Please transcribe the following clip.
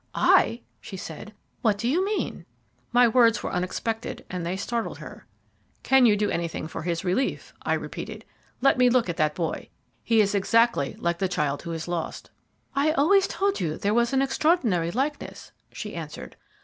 "I?" she said. "What do you mean?" My words were unexpected, and they startled her. "Can you do anything for his relief?" I repeated. "Let me look at that boy. He is exactly like the child who is lost." "I always told you there was an extraordinary likeness," she answered.